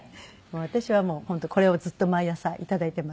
私はもう本当これをずっと毎朝頂いています。